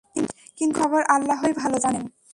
কিন্তু সঠিক খবর আল্লাহই ভাল জানেন।